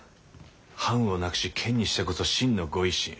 藩をなくし県にしてこそ真の御一新。